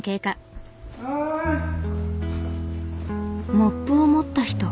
モップを持った人。